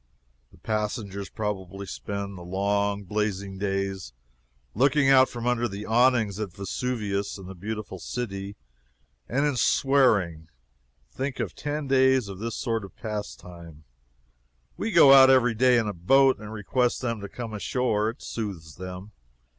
The passengers probably spend the long, blazing days looking out from under the awnings at Vesuvius and the beautiful city and in swearing. Think of ten days of this sort of pastime! We go out every day in a boat and request them to come ashore. It soothes them.